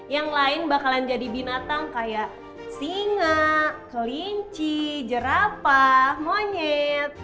yang lain bakalan jadi binatang kayak singa kelinci jerapah monyet